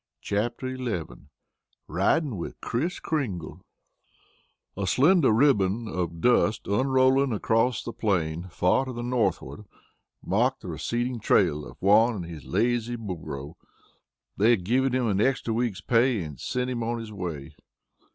CHAPTER XI RIDING WITH KRIS KRINGLE A slender ribbon of dust unrolling across the plain far to the northward marked the receding trail of Juan and his lazy burro. They had given him a week's extra pay and sent him on his way.